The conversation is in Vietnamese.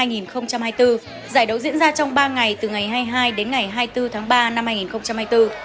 giải đấu diễn ra trong ba ngày từ ngày hai mươi hai đến ngày hai mươi bốn tháng ba năm hai nghìn hai mươi bốn